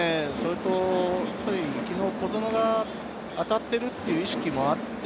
昨日、小園が当たっているという意識もあって。